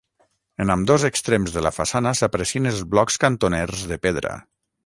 En ambdós extrems de la façana s'aprecien els blocs cantoners de pedra.